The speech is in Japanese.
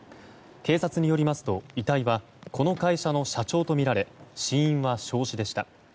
警察によりますと遺体はこの会社の社長とみられ死因は焼死でした。